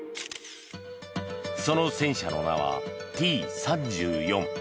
その戦車の名はＴ３４。